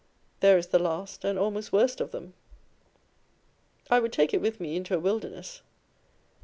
There is the last and almost worst of them. I would take it with me into a wilderness.